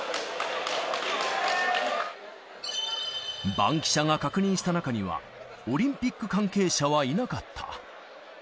バンキシャが確認した中には、オリンピック関係者はいなかった。